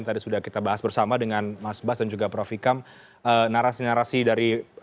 tetaplah bersama kami